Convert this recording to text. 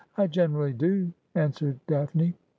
' I generally do,' answered Daphne.